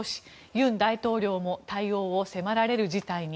尹大統領も対応を迫られる事態に。